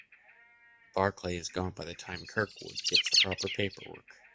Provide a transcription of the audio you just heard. Barclay is gone by the time Kirkwood gets the proper paperwork.